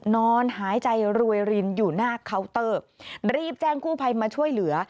นอนหายใจรวยรินอยู่หน้าเคาน์เตอร์รีบแจ้งกู้ภัยมาช่วยเหลือ